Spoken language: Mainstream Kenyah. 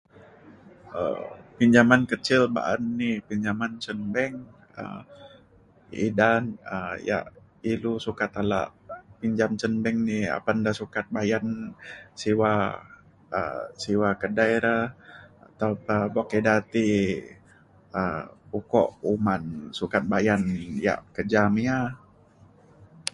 um pinjaman kecil ba'an me pinjaman cen bank um edang um ia' ilu sukat ala pinjam cen bank ni apan da sukat bayan siwa um siwa kedai re atau bok ida ti um ukok uman sukat bayan ia' kerja me ia'